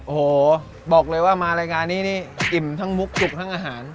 โอ้โหบอกเลยว่ามารายการนี้นี่อิ่มทั้งมุกสุกทั้งอาหาร